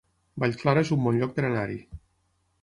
Vallclara es un bon lloc per anar-hi